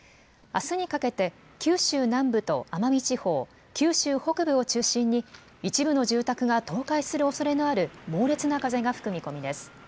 あすにかけて、九州南部と奄美地方、九州北部を中心に一部の住宅が倒壊するおそれのある猛烈な風が吹く見込みです。